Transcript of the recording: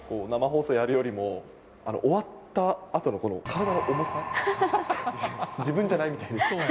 生放送やるよりも、終わったあとのこの体の重さ、自分じゃないみたいです。